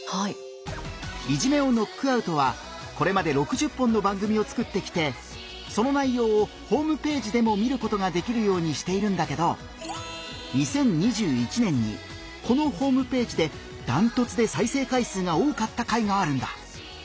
「いじめをノックアウト」はこれまで６０本の番組を作ってきてその内容をホームページでも見ることができるようにしているんだけど２０２１年にこのホームページでダントツで再生回数が多かった回があるんだ。